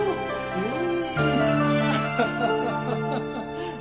うん。